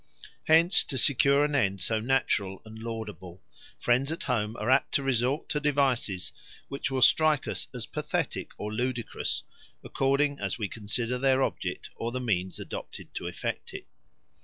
Hence, to secure an end so natural and laudable, friends at home are apt to resort to devices which will strike us as pathetic or ludicrous, according as we consider their object or the means adopted to effect it.